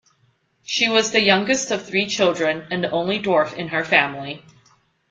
She was the youngest of three children and the only dwarf in her family.